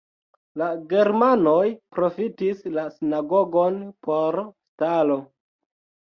La germanoj profitis la sinagogon por stalo.